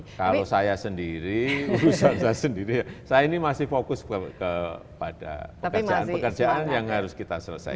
kalau saya sendiri saya ini masih fokus kepada pekerjaan pekerjaan yang harus kita selesaikan